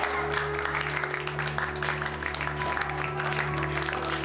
makasih ya juan